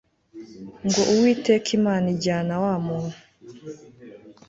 ngo Uwiteka Imana ijyana wa muntu